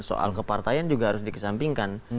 soal kepartaian juga harus dikesampingkan